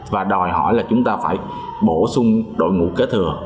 và đòi hỏi là chúng ta phải bổ sung đội ngũ kế thừa